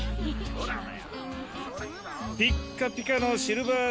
ピッカピカのシルバースプーン！